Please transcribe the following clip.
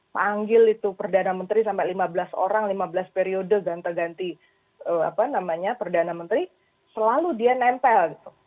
manggil itu perdana menteri sampai lima belas orang lima belas periode ganti ganti perdana menteri selalu dia nempel gitu